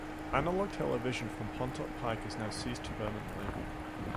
Analogue television from Pontop Pike has now ceased permanently.